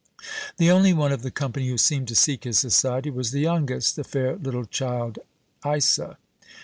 The only one of the company who seemed to seek his society was the youngest, the fair little child Isa.